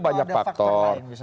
oh ada faktor lain misalnya